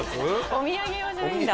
お土産用じゃないんだ。